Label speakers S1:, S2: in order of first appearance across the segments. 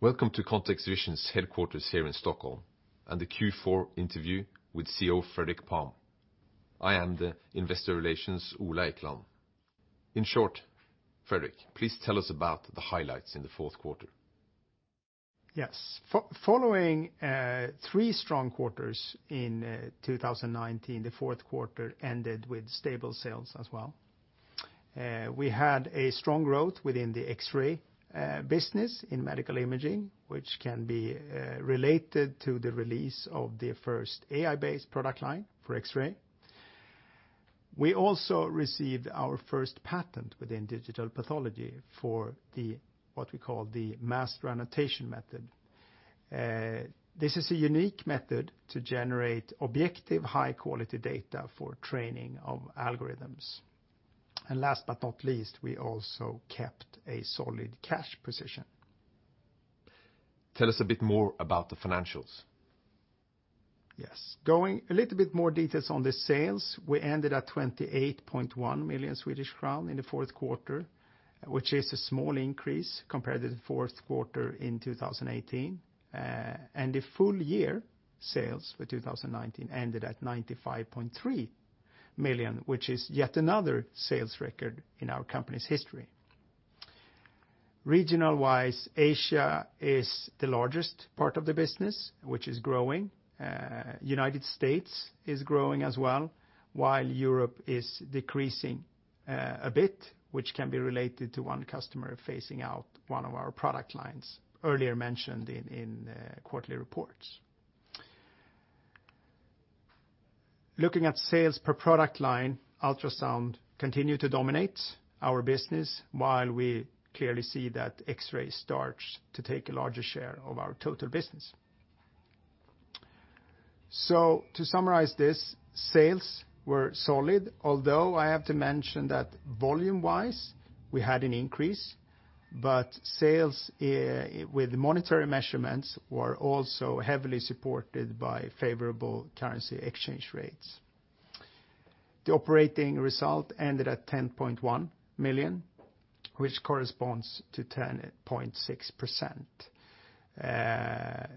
S1: Welcome to ContextVision's headquarters here in Stockholm, and the Q4 interview with CEO Fredrik Palm. I am the Investor Relations Ola Eklund. In short, Fredrik, please tell us about the highlights in the fourth quarter.
S2: Yes. Following three strong quarters in 2019, the fourth quarter ended with stable sales as well. We had a strong growth within the X-ray business in medical imaging, which can be related to the release of the first AI-based product line for X-ray. We also received our first patent within digital pathology for the, what we call the master annotation method. This is a unique method to generate objective high-quality data for training of algorithms. Last but not least, we also kept a solid cash position.
S1: Tell us a bit more about the financials.
S2: Yes. Going a little bit more details on the sales, we ended at 28.1 million Swedish crown in the fourth quarter, which is a small increase compared to the fourth quarter in 2018. The full year sales for 2019 ended at 95.3 million, which is yet another sales record in our company's history. Regional wise, Asia is the largest part of the business, which is growing. United States is growing as well, while Europe is decreasing a bit, which can be related to one customer phasing out one of our product lines earlier mentioned in quarterly reports. Looking at sales per product line, ultrasound continue to dominate our business, while we clearly see that X-ray starts to take a larger share of our total business. To summarize this, sales were solid, although I have to mention that volume-wise, we had an increase, but sales with monetary measurements were also heavily supported by favorable currency exchange rates. The operating result ended at 10.1 million, which corresponds to 10.6%.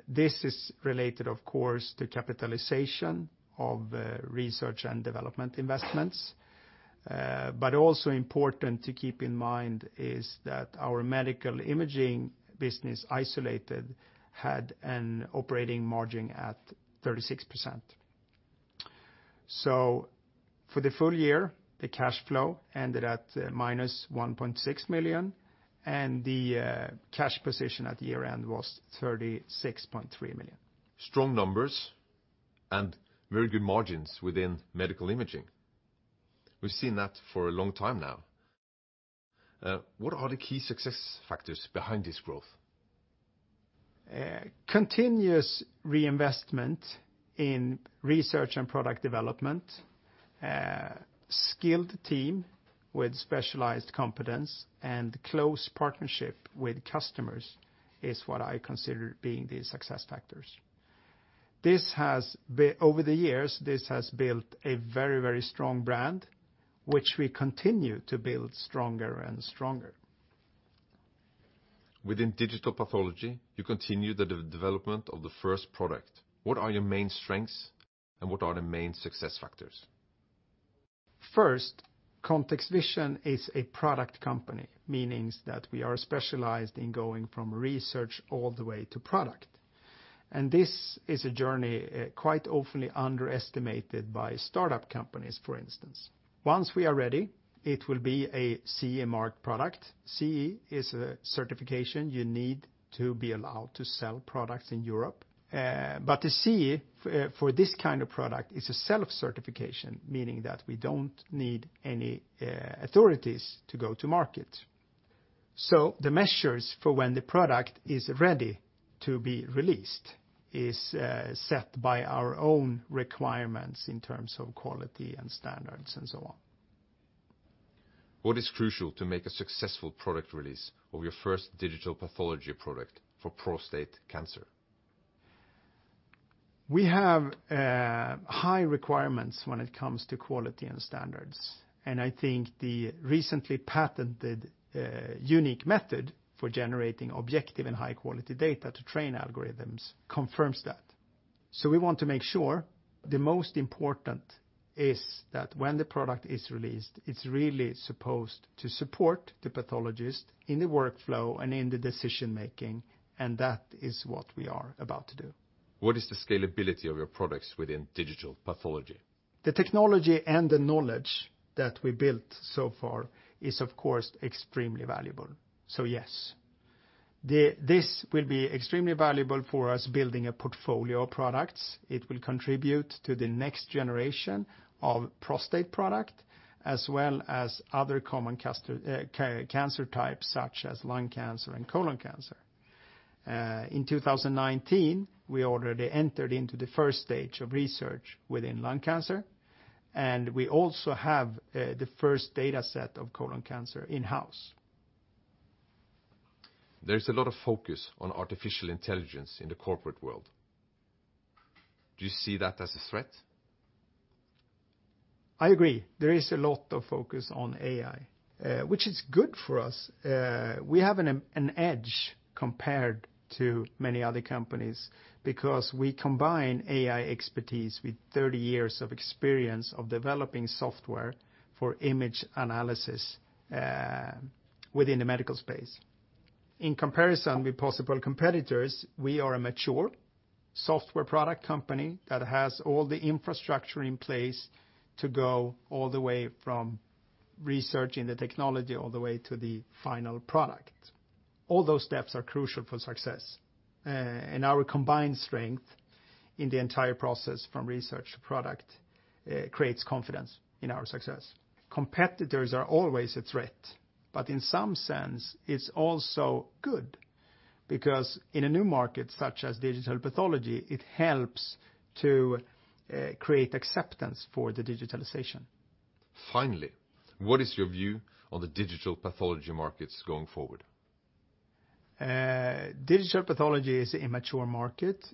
S2: This is related, of course, to capitalization of research and development investments. Also important to keep in mind is that our medical imaging business isolated had an operating margin at 36%. For the full year, the cash flow ended at -1.6 million, and the cash position at year-end was 36.3 million.
S1: Strong numbers and very good margins within medical imaging. We've seen that for a long time now. What are the key success factors behind this growth?
S2: Continuous reinvestment in research and product development, skilled team with specialized competence, and close partnership with customers is what I consider being the success factors. Over the years, this has built a very, very strong brand, which we continue to build stronger and stronger.
S1: Within digital pathology, you continue the development of the first product. What are your main strengths, and what are the main success factors?
S2: First, ContextVision is a product company, meaning that we are specialized in going from research all the way to product. This is a journey quite often underestimated by startup companies, for instance. Once we are ready, it will be a CE marked product. CE is a certification you need to be allowed to sell products in Europe. The CE, for this kind of product, is a self-certification, meaning that we don't need any authorities to go to market. The measures for when the product is ready to be released is set by our own requirements in terms of quality and standards and so on.
S1: What is crucial to make a successful product release of your first digital pathology product for prostate cancer?
S2: We have high requirements when it comes to quality and standards, and I think the recently patented unique method for generating objective and high-quality data to train algorithms confirms that. We want to make sure the most important is that when the product is released, it's really supposed to support the pathologist in the workflow and in the decision-making, and that is what we are about to do.
S1: What is the scalability of your products within digital pathology?
S2: The technology and the knowledge that we built so far is, of course, extremely valuable. Yes. This will be extremely valuable for us building a portfolio of products. It will contribute to the next generation of prostate product, as well as other common cancer types, such as lung cancer and colon cancer. In 2019, we already entered into the first stage of research within lung cancer, and we also have the first data set of colon cancer in-house.
S1: There's a lot of focus on artificial intelligence in the corporate world. Do you see that as a threat?
S2: I agree. There is a lot of focus on AI, which is good for us. We have an edge compared to many other companies because we combine AI expertise with 30 years of experience of developing software for image analysis within the medical space. In comparison with possible competitors, we are a mature software product company that has all the infrastructure in place to go all the way from researching the technology all the way to the final product. All those steps are crucial for success. Our combined strength in the entire process from research to product creates confidence in our success. Competitors are always a threat, but in some sense, it's also good because in a new market such as digital pathology, it helps to create acceptance for the digitalization.
S1: Finally, what is your view on the digital pathology markets going forward?
S2: Digital pathology is a mature market,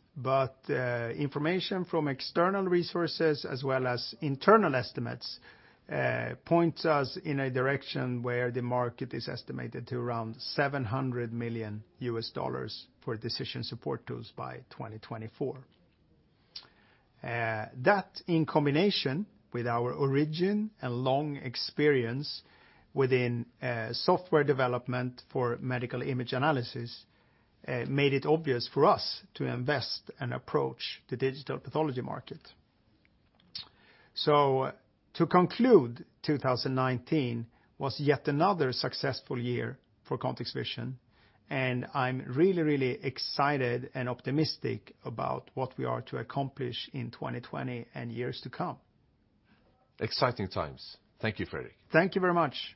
S2: information from external resources as well as internal estimates points us in a direction where the market is estimated to around $700 million for decision support tools by 2024. That, in combination with our origin and long experience within software development for medical image analysis made it obvious for us to invest and approach the digital pathology market. To conclude, 2019 was yet another successful year for ContextVision, and I'm really excited and optimistic about what we are to accomplish in 2020 and years to come.
S1: Exciting times. Thank you, Fredrik.
S2: Thank you very much.